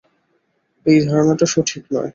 এই ধারণাটা সঠিক নয়।